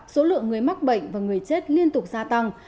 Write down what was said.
số lượng người mắc bệnh và người chết liên tục gia tăng